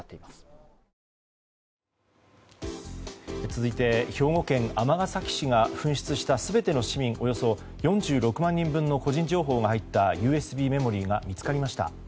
続いて兵庫県尼崎市が紛失した全ての市民およそ４６万人分の個人情報が入ったＵＳＢメモリーが見つかりました。